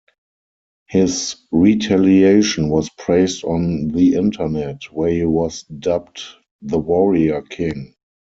His retaliation was praised on the Internet, where he was dubbed "The Warrior King".